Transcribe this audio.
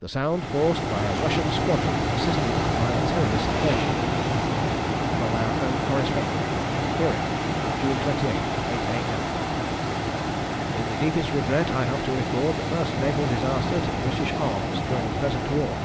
The Sound forced by a Russian Squadron, assisted by a Terrorist Air Ship. (From our own Correspondent.) Hiorring, June 28th, 8 A.M. With the deepest regret I have to record the first naval disaster to the British arms during the present war.